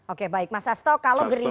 oke baik mas asto kalau gerindra